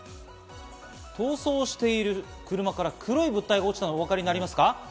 逃走している車から黒い物体が落ちたのがおわかりになりますか？